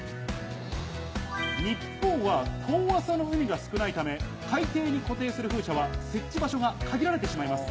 日本は遠浅の海が少ないため海底に固定する風車は設置場所が限られてしまいます。